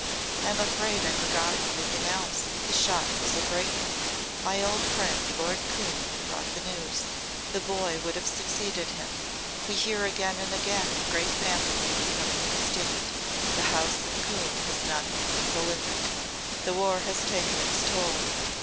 I am afraid I forgot everything else. The shock was a great one. My old friend Lord Coombe brought the news. The boy would have succeeded him. We hear again and again of great families becoming extinct. The house of Coombe has not been prolific. The War has taken its toll.